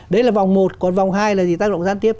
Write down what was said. đấy là vòng một còn vòng hai là gì tác động gián tiếp